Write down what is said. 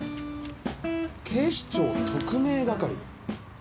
警視庁特命係？